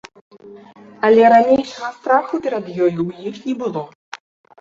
Але ранейшага страху перад ёю ў іх не было.